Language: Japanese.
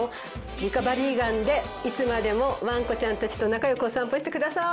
リカバリーガンでいつまでもワンコちゃんたちと仲良くお散歩してくださーい。